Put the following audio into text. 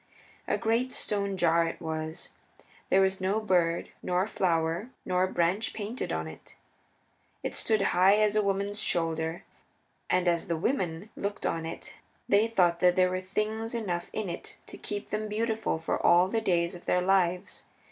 A great stone jar it was; there was no bird, nor flower, nor branch painted upon it. It stood high as a woman's shoulder. And as the women looked on it they thought that there were things enough in it to keep them beautiful for all the days of their lives.